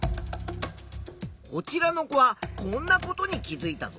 こちらの子はこんなことに気づいたぞ。